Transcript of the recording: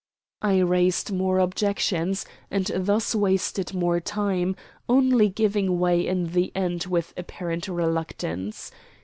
I raised more objections, and thus wasted more time, only giving way in the end with apparent reluctance.